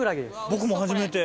僕も初めて。